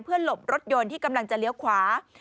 หลบรถยนต์ที่กำลังจะเลี้ยวขวา